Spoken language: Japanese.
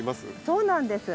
そうなんです。